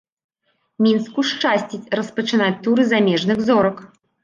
Мінску шчасціць распачынаць туры замежных зорак.